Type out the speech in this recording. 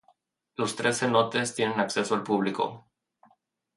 Los tres cenotes tienen acceso al publico.